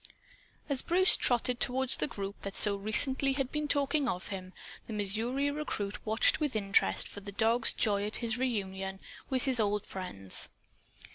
As Bruce trotted toward the group that so recently had been talking of him, the Missouri recruit watched with interest for the dog's joy at this reunion with his old friends.